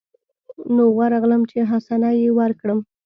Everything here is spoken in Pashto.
نو ورغلم چې حسنه يې وركړم.